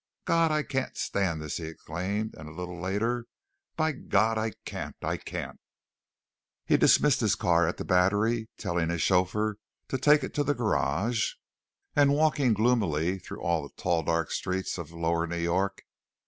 "God, I can't stand this!" he exclaimed, and a little later "By God, I can't! I can't!" He dismissed his car at the Battery, telling his chauffeur to take it to the garage, and walking gloomily through all the tall dark streets of lower New York.